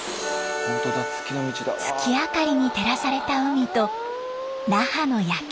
月明かりに照らされた海と那覇の夜景。